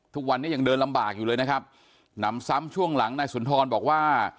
ทุกวันนี้ยังเดินลำบากอยู่เลยนะครับหนำซ้ำช่วงหลังนายสุนทรบอกว่า